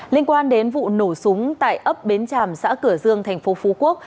liên quan đến vụ nổ súng tại ấp bến tràm xã cửa dương tp phú quốc